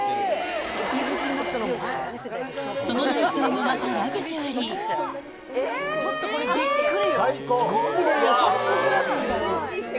その内装もまたラグジュアリちょっとこれ、びっくり。